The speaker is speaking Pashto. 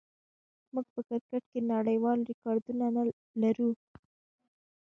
موږ په کرکټ کې نړیوال ریکارډونه لرو.